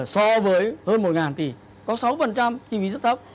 so với hơn một tỷ có sáu chi phí rất thấp